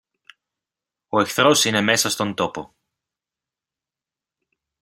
Ο εχθρός είναι μέσα στον τόπο!